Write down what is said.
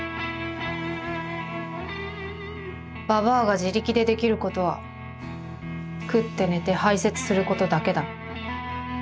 「ばばあが自力でできることは食って寝て排泄することだけだ。